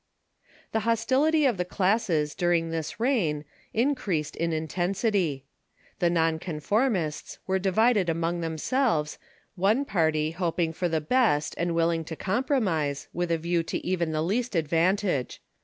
The hostility of the classes during this reign increased in intensity. The non conformists Avere divided among them selves, one party hoping for the best and Avilling to compro mise, with a view to even the least advantage.